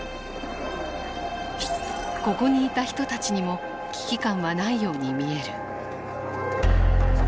ここにいた人たちにも危機感はないように見える。